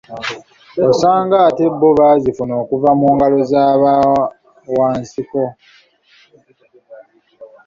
Osanga ate bo baazifuna kuva mu ngalo z'abantu aba wansiko.